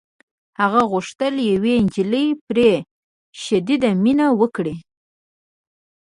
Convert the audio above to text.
هغه غوښتل یوه نجلۍ پرې شدیده مینه وکړي